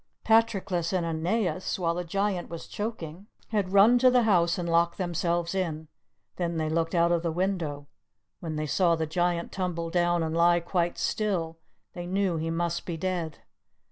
Patroclus and Aeneas, while the Giant was choking, had run to the house and locked themselves in; then they looked out of the window; when they saw the Giant tumble down and lie quite still, they knew he must be dead.